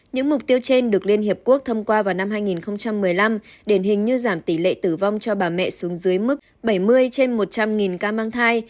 những mục tiêu trên được liên hiệp quốc thông qua vào năm hai nghìn một mươi năm điển hình như giảm tỷ lệ tử vong cho bà mẹ xuống dưới mức bảy mươi trên một trăm linh ca mang thai